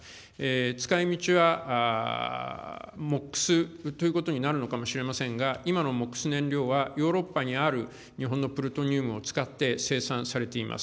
使いみちはＭＯＸということになるのかもしれませんが、今のＭＯＸ燃料はヨーロッパにある日本のプルトニウムを使って生産されています。